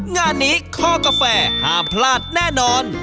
งานนี้คอกาแฟห้ามพลาดแน่นอน